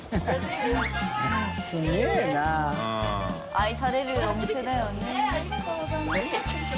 愛されるお店だよね。